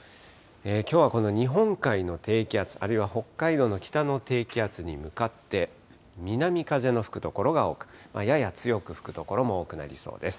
きょうはこの日本海の低気圧、あるいは北海道の北の低気圧に向かって、南風の吹く所が多く、やや強く吹く所も多くなりそうです。